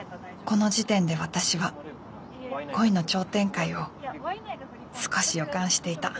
この時点で私は恋の超展開を少し予感していた。